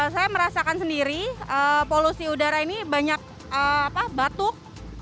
saya merasakan sendiri polusi udara ini banyak batuk